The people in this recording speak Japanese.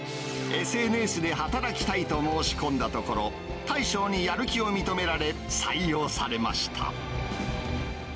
ＳＮＳで働きたいと申し込んだところ、大将にやる気を認められ、採用されました。